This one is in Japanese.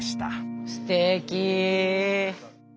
すてき！